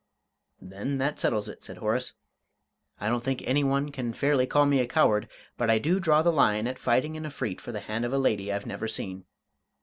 "Then that settles it," said Horace. "I don't think any one can fairly call me a coward, but I do draw the line at fighting an Efreet for the hand of a lady I've never seen.